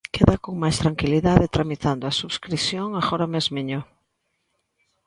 Queda con máis tranquilidade tramitando a subscrición agora mesmiño!